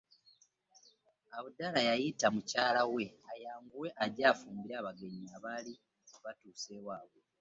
Abdallah yayita mukyala we ayanguwe ajje afumbire abagenyi abaali batuuse ewaabwe.